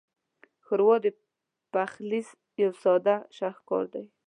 ښوروا د پخلي یو ساده شاهکار دی.